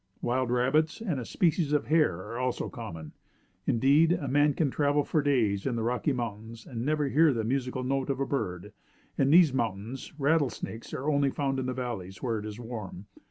Wild rabbits and a species of hare are also common. Indeed a man can travel for days in the Rocky Mountains and never hear the musical notes of a bird. In these mountains, rattle snakes are only found in the valleys, where it is warm.